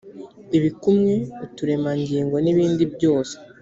ibikumwe uturemangingo n ibindi byose